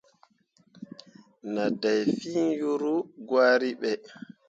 Nah dai fîi yuru gwari ɓe.